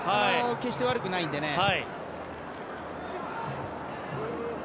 決して悪くないのでね。